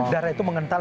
darah itu mengental